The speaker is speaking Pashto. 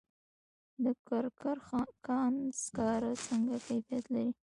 د کرکر کان سکاره څنګه کیفیت لري؟